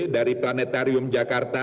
dari planetarium jakarta